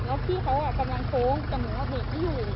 แล้วที่แพี่อยากเปลี่ยนแต่หนัวเบ็กไม่อยู่